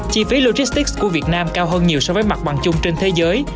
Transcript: chi phí logistics của việt nam cao hơn nhiều so với mặt bằng chung trên thế giới